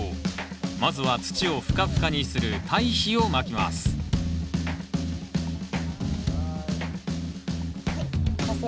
まずは土をふかふかにする堆肥をまきますはい。